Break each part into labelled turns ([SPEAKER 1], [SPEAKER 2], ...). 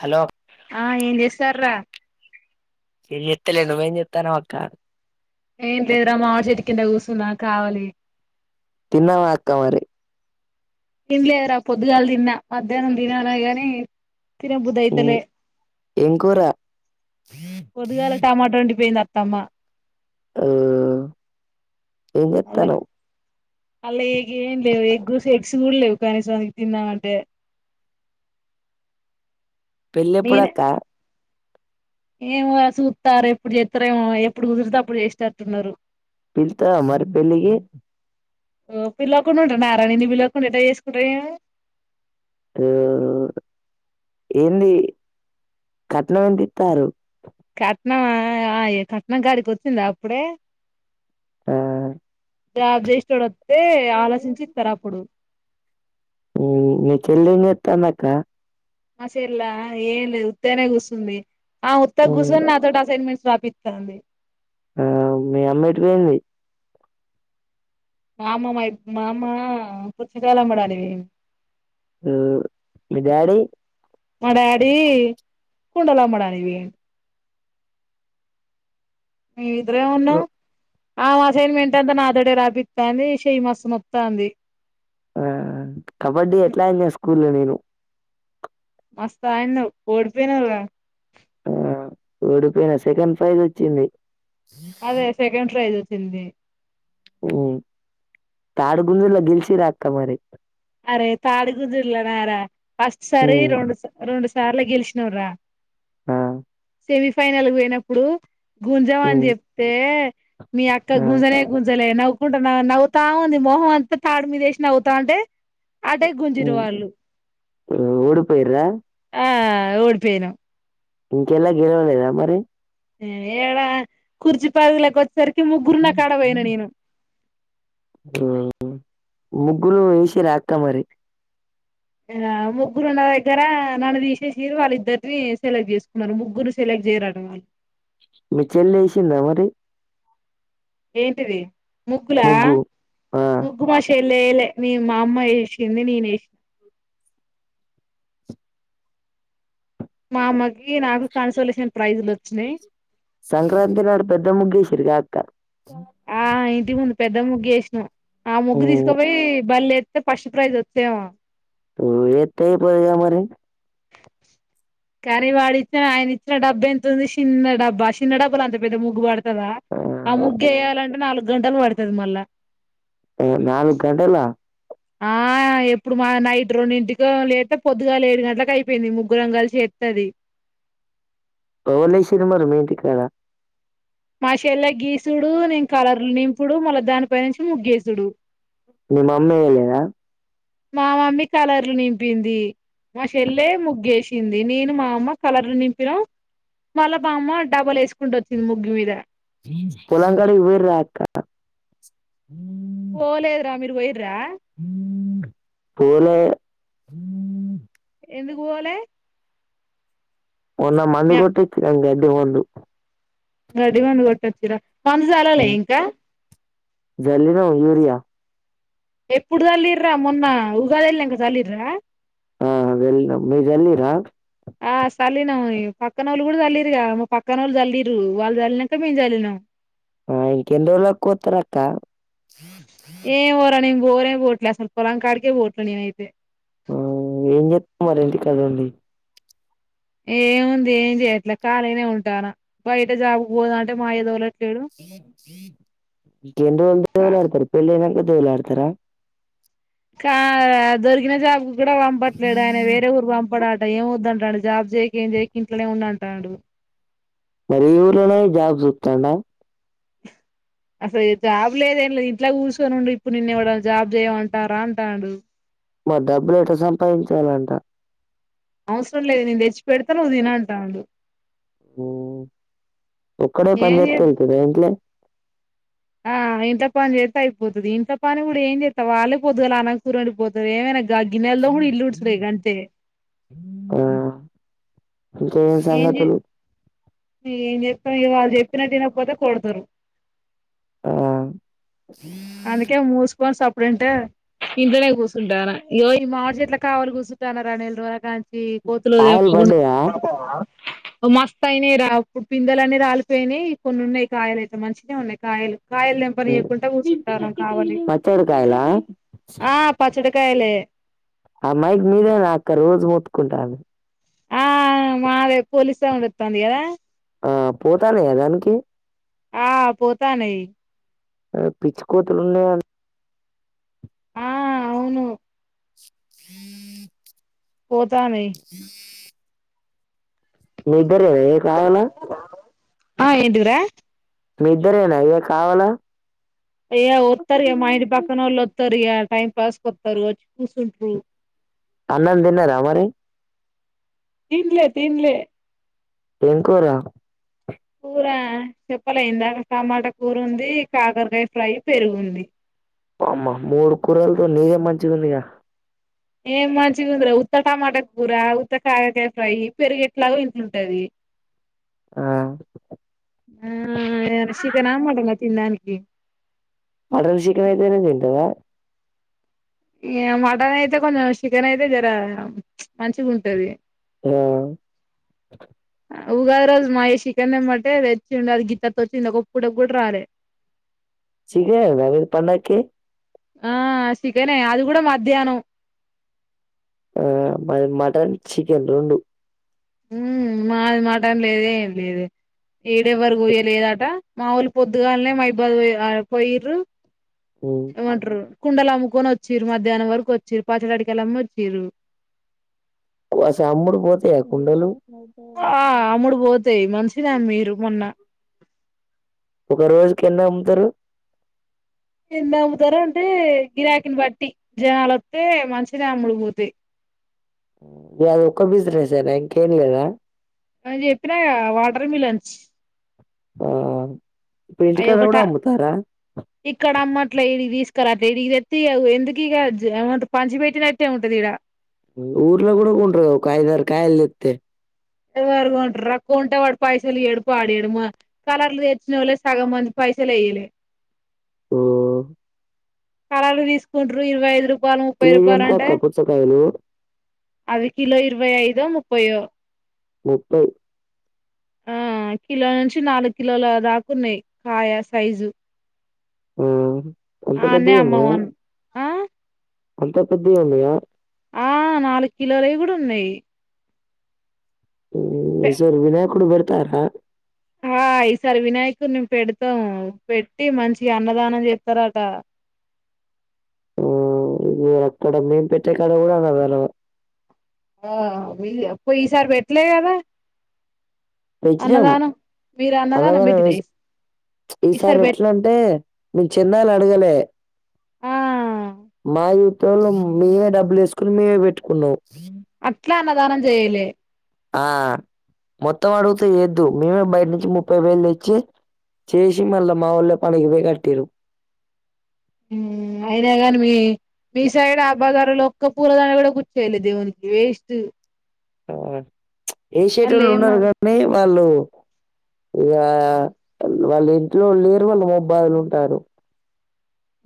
[SPEAKER 1] Hello
[SPEAKER 2] ఆ ఏం చేస్తర్ర
[SPEAKER 1] ఎం చెత్తలే నువు ఎం చేతనవ్ అక్క
[SPEAKER 2] ఏం లేదుర మామిడి చెట్టు కింద కూసున్న కావలి
[SPEAKER 1] తిన్నవ అక్క మరి
[SPEAKER 2] తినలేదుర పొద్దుగాల తిన్న మధ్యాహ్నం తినాలే గని తినబుద్దతలే
[SPEAKER 1] ఏం కూర
[SPEAKER 2] పోద్దుగాల టమాటో వండిపోయింది అ తమ్మ
[SPEAKER 1] ఆ ఎం చెత్తనవు
[SPEAKER 2] అల్లే ఏం లేవు ఎగుసు ఎగ్స్ కూడ లేవు కనీసం తిందాం అంటె
[SPEAKER 1] పెళ్ళేప్పుడక్క
[SPEAKER 2] ఏమోరా చూతారు ఎప్పుడు చేతరేమో ఎప్పుడు కుదిరితే అప్పుడు చేసేతాటున్నరు
[SPEAKER 1] పిల్తవ మరి పెళ్లికి
[SPEAKER 2] ఓ పిల్వకుండ ఉంటానార నీను పిలవకుండా ఎట చేసుకుంట నేను
[SPEAKER 1] ఉ ఏంది కట్నం ఏంత ఇత్తారు
[SPEAKER 2] నా అయే కట్నం కాడికి వచ్చింద అప్పుడే
[SPEAKER 1] ఆ
[SPEAKER 2] జాబ్ చేసేటోడు దే ఆలోచించి ఇస్తారు అప్పుడు
[SPEAKER 1] మీ చెల్లి ఏం చేస్తుంది అక్క
[SPEAKER 2] మా చెల్ల ఏం లేదు ఉత్తిగానే కూసుంది ఉత్తగా గుసోని నాతోటి అసైన్మెంట్స్ రాపిత్తాంది
[SPEAKER 1] ఆ మీ అమ్మా ఏటు పోయింది
[SPEAKER 2] మామ మా మామ్మ పుచ్చకాయలు అమ్మడానికి పోయింది
[SPEAKER 1] అ మీ డాడీ
[SPEAKER 2] మా డాడీ కుండలు అమ్మడానికి మేమిద్దరమే
[SPEAKER 1] ను
[SPEAKER 2] ఉన్నాం ఆమె అసైన్మెంట్ అంతా నాతోటే రాయించుతంది చెయ్యి మస్తు నొత్తంది
[SPEAKER 1] ఆ కబడ్డీ ఎట్లానా చేస్ కులే నేను
[SPEAKER 2] మస్తాడినవ్ ఓడిపోయినవుగా
[SPEAKER 1] ఆ ఓడిపోయిన సెకండ్ ప్రైజ్ వచ్చింది
[SPEAKER 2] అదే సెకండ్ ప్రైస్ చింది
[SPEAKER 1] ఉ తాడిగుంజుల గెలిచిరా అక్క మరి
[SPEAKER 2] అరే తాడు గుంజుల్లనార ఫస్ట్ సారి రెండుస్ రెండుస్ సార్ల గెలిచిన్రా
[SPEAKER 1] ఆ
[SPEAKER 2] సెమీ ఫైనల్ కు పోయినప్పుడు గుంజమాని
[SPEAKER 1] హ్మ్.
[SPEAKER 2] చెప్తే మీ అక్క
[SPEAKER 1] ఆ!
[SPEAKER 2] గుంజలే గుంజలేనా కుంటా నవుతా ఉంది. మొహం అంతా తాడు మీద వేసి నవ్వుతా అంటే అటే
[SPEAKER 1] ఉ
[SPEAKER 2] గుంజిరు వాళ్ళు
[SPEAKER 1] ఓడిపోయిర్రా
[SPEAKER 2] ఓడిపోయినం
[SPEAKER 1] ఇంకెలా గెలవలేేద మరి
[SPEAKER 2] ఏడా కూర్చిపరుగుల కొచ్ సరికి ముగ్గురు ఉన్న కాడ పోయినా నేను
[SPEAKER 1] ఆహ్ ముగ్గురు వేసిరా అక్క మరి
[SPEAKER 2] ఆ ముగ్గురు ఉన్న దగ్గర నన్ను తీసేసిర్రు. వాళ్ళు ఇద్దరిని సెలెక్ట్ చేసుకున్నారు. ముగ్గురు సెలెక్ట్ చేయరట వాళ్ళు.
[SPEAKER 1] మీ చెల్లె వేసిందా మరి
[SPEAKER 2] ఏంటిది ముగ్గులా
[SPEAKER 1] ముగ్గు? ఆ!
[SPEAKER 2] ముగ్గు మాషేప్ లేలే నే మా అమ్మ ఏసింది నేను వేసి మామకి కి నాకు కన్సలేేషన్ ప్రైజ్లు వచ్చినై
[SPEAKER 1] సంక్రాంతి నాడు పెద్ద ముగ్గేసిర్రు కాద్
[SPEAKER 2] ఆ ఇ టి ముందు పెద్ద ముగ్గు వేసిన ఆ ముగ్గు
[SPEAKER 1] హ్మ్.
[SPEAKER 2] తీసుకపోయ్ బల్ లేద్ తే ఫస్ట్ ప్రైజ్ వత్తేవమా
[SPEAKER 1] ఉ ఏ తయి పోయాగా మరి
[SPEAKER 2] కర్రీ వాడిచ్చిన ఆయన ఇచ్చిన డబ్బా ఎంత ఉంది. చిన్న డబ్బా చిన్న డబ్బలో అంత పెద్ద ముగ్గు పడతదా. ఆ ముగ్గు వేయాలంటే నాలుగు గంటలు పడుతది మళ్ళా.
[SPEAKER 1] నాలుగ్ గంటలా
[SPEAKER 2] ఆ ఎప్పుడు మా నైట్ రెండు ఇంటికి లేతే పొద్దుగాల ఏడు గంటలకు అయిపోయింది. ముగ్గురం కలిసి ఎత్తది.
[SPEAKER 1] హోలీ సినిమాలు మీ ఇంటికాడ
[SPEAKER 2] మాషెల్లా గీస్ చూడు నేను కలర్లు నింపుడు. మళ్ళా దాని పై నుంచి ముగ్గేసుడు.
[SPEAKER 1] నీ మమ్మీ ఎయ్యలేదా
[SPEAKER 2] మా మమ్మీ కలర్లు నింపింది. మా చెెల్లేె ముగ్గు వేసింది. నేను మా అమ్మ కలర్లు నింపినాం. మళ్ళా మా అమ్మ డబలు వేసుకుంటూ వచ్చింది. ముగ్గి మీద
[SPEAKER 1] పొలం కాటికి పోయిర్ రాక్క
[SPEAKER 2] పోలేదు రా మీరు పోయిండ్రా
[SPEAKER 1] పోలే
[SPEAKER 2] ఎందుకు పోలే
[SPEAKER 1] ఉన్న మందు కొట్టి ఇచ్చిరన్నే వద్దు
[SPEAKER 2] గడ్డి మందు కొట్టచ్చిర [unintelligible] జాలలే
[SPEAKER 1] హ్మ్.
[SPEAKER 2] ఇంకా
[SPEAKER 1] జల్లినం యూరియా
[SPEAKER 2] ఎప్పుడు జల్లింరా మొన్న ఉగాది ఎల్లినంక జల్లింరా
[SPEAKER 1] ఆ వెళ్ళినం మీర్ జల్లింరా
[SPEAKER 2] ఆ చల్లినం పక్కనోళ్ళు కూడా జల్లింరుగా మా పక్కనోళ్ళు జల్లింరు వాళ్ళు జల్లినంక మేము జల్లినం
[SPEAKER 1] ఆ ఇంకెన్ రోజులకు కోత్తరక్క ీ థీ
[SPEAKER 2] బోరే బోవట్లే అసలు పొలాంకడికే బోవట్లే నేనయితే
[SPEAKER 1] ఆ ఏం చేత్ [inaudible] మరి ఇంటికాడ ఉండి.
[SPEAKER 2] ఏముంది ఏం చెయట్లే ఖాళీగనే ఉంటానా. బయట జాబుకు పోదాం అంటే మా అయ్య దోలట్
[SPEAKER 1] ఇంకెన్న్ రోజులు
[SPEAKER 2] కా
[SPEAKER 1] దేవులాడుతారు పెళ్ళైనంక దేవులాడుతర
[SPEAKER 2] కా దొరికిన జాబ్ కూడ పంపట్లేడు ఆయన వేరే ఊరుకు పంపడట ఏం వొద్దన్ టండు జాబ్ జేయ్యకి ఏం జేయ్యకి ఇంట్లోనే ఉండు అంటాండు.
[SPEAKER 1] మరి ఈ ఊర్లనే జుత్తాండ.
[SPEAKER 2] అసలు ఏ జాబ్ లేదు ఏం లేదు ఇంట్లా కూర్సోనుండు. ఇప్పుడు నిన్న్ ఎవ్వడన్న జాబ్ చేయమంటారా అంటాడు.
[SPEAKER 1] మర్ డబ్బులు ఎట్ల సంపాదించాలంట?
[SPEAKER 2] అవసరం లేదు నేను తెచ్చి పెడత. నువ్వు తినంటాండు.
[SPEAKER 1] ఉమ్ ఒక్కడే పని
[SPEAKER 2] ఏం
[SPEAKER 1] జెత్తే
[SPEAKER 2] చేద్దాం
[SPEAKER 1] అయితద ఇంట్ల
[SPEAKER 2] ఆ ఇంట్ల పని జేత్తే అయిపోతది. ఇంట్ల పని కూడా ఏం జేత్తా వాళ్ళే పోద్దుగాల అన్నం, కూర అండిపోతారు. ఏమై నాక్ గా గిన్నెల్ తోముడు, ఇల్లు ఉడుసూడే గంతే
[SPEAKER 1] ఇంకా ఏం సంగతులు
[SPEAKER 2] ఏం జెప్పా ఇగ వాళ్ళు చెప్పినట్టు వినకపోతే కొడతరు.
[SPEAKER 1] ఆ
[SPEAKER 2] [unintelligible] ఇంట్లనే కూసుంటాన్న. ఇగో ఈ మామిడి చెట్లకి కావలి కూసుంటాన్నా రా నెల్ రోజుల కాడ్ చి కోతులు
[SPEAKER 1] కాయలు
[SPEAKER 2] తెంపుకోకుండా
[SPEAKER 1] పడ్డయా
[SPEAKER 2] ఓ మస్త్ అయినాయి రా ఇప్పుడు పిందలన్నీ రాలిపోయినాయి. కొన్ని ఉన్నాయి కాయలు అయితే మంచినే ఉన్నాయి కాయలు. కాయల్ తెంపనియ్యకుంటా కూసున్
[SPEAKER 1] పచ్చడి కాయల
[SPEAKER 2] చ్చడి కాయలే
[SPEAKER 1] ఆ మైక్ మీదే నా అక్క రోజు మొత్తుకుంటాంది.
[SPEAKER 2] ఆ మాదే పోలీస్ సౌండ్ ఒత్తాంది కదా.
[SPEAKER 1] ఆ పోతానయ దానికి
[SPEAKER 2] ఆ పోతానయి
[SPEAKER 1] ఆ పిచ్చికోతులు ఉన్నాయి అన్
[SPEAKER 2] ఆ అవును పో తానై
[SPEAKER 1] బరే కావాల
[SPEAKER 2] ఆ ఏంటిదిరా
[SPEAKER 1] మీ ఇద్దరేనా అయ్యా కావాలా
[SPEAKER 2] ఏయ ఒత్తరగా మా ఇంటి పక్కన వాళ్ళ వస్తారు టైం పాస్ కొస్తారు వచ్చి కూర్చుంటారు
[SPEAKER 1] అన్నం తిన్నారా మరి
[SPEAKER 2] తినలే తినలే
[SPEAKER 1] ఏం కూర
[SPEAKER 2] కూర చెప్పలే ఇందాక టమాటా కూర ఉంది కాకరకాయ ఫ్రై పెరుగుంది
[SPEAKER 1] అమ్మ మూడు కూరలతో నీరే మంచిది ఉందిగా
[SPEAKER 2] ఏం మంచిది ఉందిరా ఉత్త టమాటా కూర ఉత్త కారకాయ ఫ్రై పెరుగు ఎట్లాగో ఇంట్లుంటది
[SPEAKER 1] ఆ
[SPEAKER 2] ఆ చికెన్ ఆ మటన్ ఆ తినడానికి
[SPEAKER 1] పడ విషికమ అయితేనే తంటవ
[SPEAKER 2] ఈ మటన్ అయితే కొంచెం చికెన్ అయితే జర మంచిగా ఉంటది
[SPEAKER 1] ఆ
[SPEAKER 2] ఉగాది రోజు మాయేసికన్ తేమ్మంటే తెచ్చిండు అది గితత్త వచ్చింది ఒకపూట కూడా రాలే
[SPEAKER 1] సికేనా మీకు పండక్కి
[SPEAKER 2] ఆసికెనే అది కూడా మధ్యాహ్నం
[SPEAKER 1] ఆ మాది మటన్ చికెన్ రెండు
[SPEAKER 2] ఉ మాది మాటన్ లేదు ఏం లేదు ఈడ ఎవరు కొయ్యలేదట మా వొళ్ళు పొద్దుగాలనే మైబాద్ పోయిర్రు
[SPEAKER 1] ఉమ్.
[SPEAKER 2] ఏమంటర్రు కుండలు అమ్ముకొని వచ్చిరు మధ్యాహ్నం వరకు వచ్చిరు పచ్చలాడికలమ్మీ వచ్చిరు
[SPEAKER 1] ఆస అమ్ముడు పోతయా కుండలు
[SPEAKER 2] ఆ అమ్ముడు పోతాయి. మంచినే అమ్మిరు మొన్న
[SPEAKER 1] ఒక రోజుకి ఎన్ని అమ్ముతారు
[SPEAKER 2] ఎన్ని అమ్ముతారు అంటే గిరాకిని బట్టి జనాలు వత్తే మంచినే అమ్ముడు పోతయి
[SPEAKER 1] ఈ అదొక్క బిజినెస్ ఏనా ఇంకేం లేదా అదొక్క
[SPEAKER 2] అ చెప్పినగా వాటర్ మిలన్స్
[SPEAKER 1] ఆ ఇప్పుడు
[SPEAKER 2] అయి
[SPEAKER 1] ఇంటికాడ
[SPEAKER 2] ఒకట
[SPEAKER 1] కూడా అమ్ముతారా
[SPEAKER 2] ఇక్కడ అమ్మట్లే ఈడు తీస్ ఇక్కడ ఇడికి తెత్తే ఎందుకు ఇక ఏమద్దు పంచి పెట్టినట్టే ఉంటది ఇడ
[SPEAKER 1] ఊర్లో కూడా కొంటారు కాద ఐదు ఆరు కాయలు తేత్తే
[SPEAKER 2] ఎవరకొంటార్రా కొంటే వాడు పైసలు ఇయ్యడు పాడు ఇయ్యడు కలర్లు తెచ్చినోళ్లే సగం మంది పైసలే ఇయ్యాలే
[SPEAKER 1] ఓ
[SPEAKER 2] కలర్లు తీసుకుంటారు ఇరవై ఐదు రూపాయలు ముప్పై
[SPEAKER 1] కేజీ ఎంతా అక్క పుచ్చకాయలు
[SPEAKER 2] అది కిలో ఇరవై ఐదో ముప్పయో
[SPEAKER 1] ముప్పైయ్
[SPEAKER 2] ఆ కిలో నించి నాలుగు కిలోల దాకున్నాయి. కాయ సైజు
[SPEAKER 1] ఉమ్ అంత
[SPEAKER 2] ఆన్నే
[SPEAKER 1] పెద్దయి ఉన్నాయా.
[SPEAKER 2] అమ్మవాన్ ఆ
[SPEAKER 1] అంత పెద్దయి ఉన్నాయా.
[SPEAKER 2] ఆ నాలుగు కిలోలయి కూడ ఉన్నాయి. పె
[SPEAKER 1] ఈసారి వినాయకుడు పెడుత్ డ్తారా
[SPEAKER 2] ఆ ఈసారి వినాయకున్ని పెడతాము. పెట్టి మంచిగ అన్నదానం చేస్తారట
[SPEAKER 1] ఓ మీరక్కడ మేము పెట్టెకాడ కూడ అన్నదానం.
[SPEAKER 2] ఆ ఈసారి పెట్లే కదా.
[SPEAKER 1] పెట్టినాం
[SPEAKER 2] అన్నదానం మీరు
[SPEAKER 1] అన్నదానం
[SPEAKER 2] పెట్టిర్రా
[SPEAKER 1] పసి ఈసారి ఎట్లాంటే మేమ్ చందాలు అడగలే
[SPEAKER 2] ఆ
[SPEAKER 1] మా ఇంటోళ్లం మేమే డబ్బులు వేసుకున్నాం మేమే పెట్టుకున్నాం.
[SPEAKER 2] అట్ల అన్నదానం చేయలే.
[SPEAKER 1] ఆ మొత్తం అడుగుతే చేద్దు మేమే బయట నుంచి ముప్పై వేలు తెచ్చి చేసి మళ్ళా మావాళ్ళే పగిలి పోయి కట్టిర్రు.
[SPEAKER 2] అయినాగాని మీ మీ సైడ్ ఆ బజారోళ్ళు ఒక్క పూలదండ కూడా కూర్చోయలే దేవునికి వెస్ట్
[SPEAKER 1] ఆ చ్ ఏ షేటోల్లు ఉన్నారు గాని వాళ్ళు ఇగా వాళ్ళ ఇంట్లో లేరు, వాళ్ళు మహుబాద్ లో ఉంటారు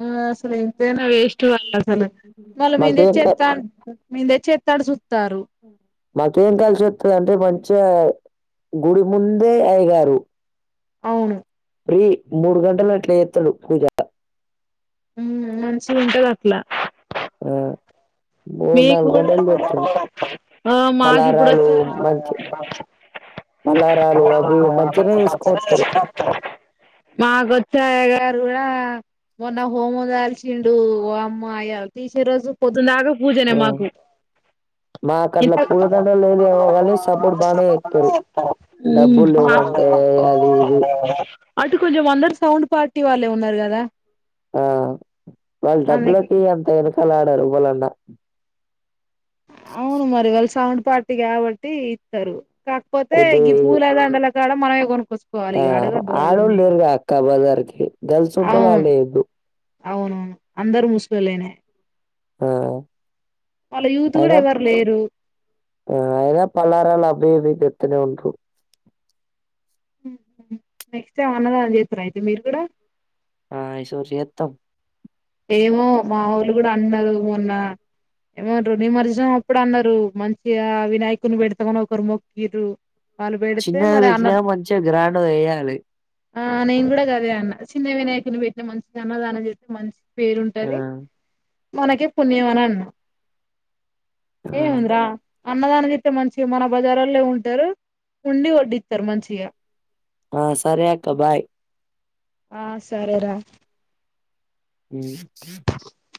[SPEAKER 2] ఆ అసలు ఏంతేనా వేస్ట్ వాళ్ళసలు వాళ్ళ మీద
[SPEAKER 1] మాకేం క
[SPEAKER 2] చేస్త. మీందెచ్చేత్తాడ్ చూస్తారు
[SPEAKER 1] మాకేం కలిసి వస్తది అంటే మంచిగా గుడి ముందే అయ్యగారు
[SPEAKER 2] అవును
[SPEAKER 1] త్రీ మూడు గంటలు అట్లా ఎస్తాడు పూజ
[SPEAKER 2] ఉమ్ మంచిగ ఉంటది అట్లా
[SPEAKER 1] ఆ మూడు
[SPEAKER 2] మీకు
[SPEAKER 1] నాలుగు గంటలు చేత్తడు
[SPEAKER 2] ఆ మాక్ ఇప్పుడు
[SPEAKER 1] పలారాలు
[SPEAKER 2] వచ్చా
[SPEAKER 1] మంచి పలారాలు అవి మంచిగనే చేసుకొత్తరు
[SPEAKER 2] మా కొచ్చా ఇగ ఇటు కూడా మొన్న హోమం కాల్చి చిండు వామ్మో అయ్యా తీసే రోజు పొద్దున్నాక పూజనే
[SPEAKER 1] ఆ
[SPEAKER 2] మాకు
[SPEAKER 1] మాకు
[SPEAKER 2] ఇంత
[SPEAKER 1] అట్లా పూలదండలు లేదేమో కాని సపోర్ట్ బానే చేత్తరు డబ్బులు లేవంటే అది ఇది
[SPEAKER 2] అటు కొంచెం అందరు సౌండ్ ప్వార్టీ వాళ్ళే ఉన్నారు కదా
[SPEAKER 1] ఆ వాళ్ళ
[SPEAKER 2] అందుకే
[SPEAKER 1] డబ్బులకి అంత అలా ఆడారు వాళ్ళన్న
[SPEAKER 2] అవును మరి వాళ్ళు సౌండ్ పార్టీ కాబట్టి ఇస్తరు కాక్పోతే
[SPEAKER 1] కొద్ది
[SPEAKER 2] గీ పూల దండల ఇస్తడా మనమే కొన్
[SPEAKER 1] ఆ ఆడొళ్ళు లేరుగా అక్క బజార్కి గల్స్ ఉంటే
[SPEAKER 2] అవును
[SPEAKER 1] వాళ్ళుయద్దు
[SPEAKER 2] అవునవును అందరు మూసులోళ్ళనే
[SPEAKER 1] ఆ
[SPEAKER 2] యూత్ కూడా
[SPEAKER 1] అయినా
[SPEAKER 2] ఎవరు లేరు
[SPEAKER 1] అయిన పలారలాభ [inaudible]
[SPEAKER 2] నెక్స్ట్ టైమ్ అన్నదానం చేస్తారు అయితే మీరు కూడా.
[SPEAKER 1] ఆ ఈ సారి చేస్తాం
[SPEAKER 2] ఏమో మా ఊళ్ళు కూడా అన్నారు మొన్న ఏమోంట నిమర్జం అప్పుడు అన్నారు మంచిగా ఆ వినాయకుని పెడతకని ఒకరు మొక్కిరు.
[SPEAKER 1] చిన్నది పెచ్చినక మంచిగా గ్రాండ్ వేయాలి
[SPEAKER 2] ఆ నేను కూడా కదే అన్న చిన్న వినాయకుని పెట్టి మంచి అన్మాదానం చేస్తతే మంచి. పేరు
[SPEAKER 1] ఆ!
[SPEAKER 2] ఉంటది మనకే పుణ్యం అని అన్నాం
[SPEAKER 1] ఆ!
[SPEAKER 2] ఏ అంద్రా అన్నదానం చెప్ మంచిగా మన బజారాల్లో ఉంటారు ఉండి వడ్డిస్తారు మంచిగా.
[SPEAKER 1] ఆ సరే అక్క బాయ్
[SPEAKER 2] ఆ సరేరా
[SPEAKER 1] ఉ